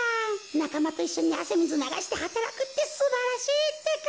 なかまといっしょにあせみずながしてはたらくってすばらしいってか！